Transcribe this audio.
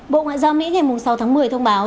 bộ ngoại giao mỹ ngày sáu tháng một mươi thông báo